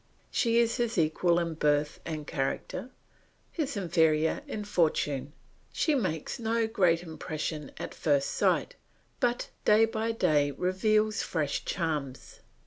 She is his equal in birth and character, his inferior in fortune. She makes no great impression at first sight, but day by day reveals fresh charms.